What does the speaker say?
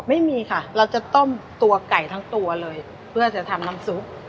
ไม่มีค่ะเราจะต้มตัวไก่ทั้งตัวเลยเพื่อจะทำน้ำซุป